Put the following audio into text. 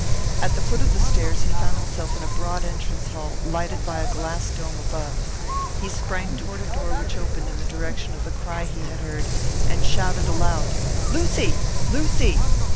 At the foot of the stairs he found himself in a broad entrance hall, lighted by a glass dome above. He sprang toward a door which opened in the direction of the cry he had heard, and shouted aloud, "Lucy! Lucy!"